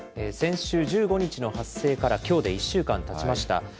先週１５日の発生から、きょうで１週間たちました。